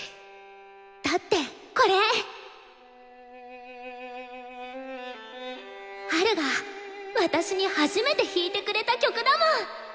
だってこれハルが私に初めて弾いてくれた曲だもん！